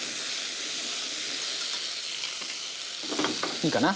いいかな。